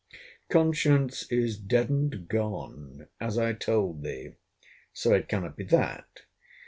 Conscience is dead and gone, as I told thee; so it cannot be that.